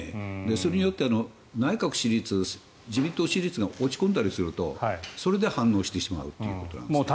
それによって、内閣支持率自民党支持率が落ち込んだりするとそれで反応してしまうということなんですね。